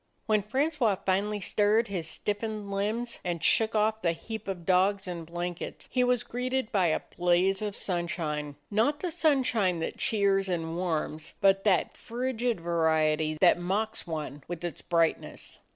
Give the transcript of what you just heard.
When Francois finally stirred his stiffened limbs and shook off the heap of dogs and blan kets, he was greeted by a blaze of sunshine; not the sunshine that cheers and warms, but that frigid variety that mocks one with its brightness.